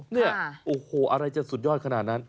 เนี่ยโอ้โหอะไรจะสุดยอดขนาดนั้น